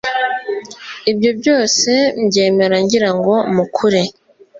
ibyo byose mbyemera ngira ngo mukure,